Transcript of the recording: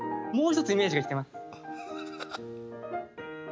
もう一つイメージが来てます。